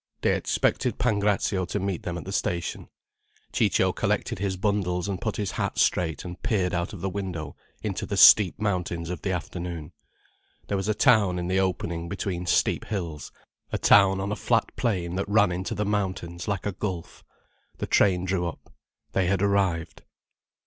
They expected Pancrazio to meet them at the station. Ciccio collected his bundles and put his hat straight and peered out of the window into the steep mountains of the afternoon. There was a town in the opening between steep hills, a town on a flat plain that ran into the mountains like a gulf. The train drew up. They had arrived.